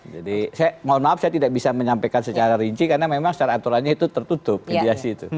jadi saya mohon maaf saya tidak bisa menyampaikan secara rinci karena memang secara aturannya itu tertutup mediasi itu